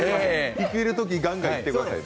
いけるとき、ガンガンいってくださいね。